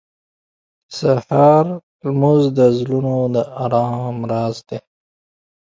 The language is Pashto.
• د سهار لمونځ د زړونو د ارام راز دی.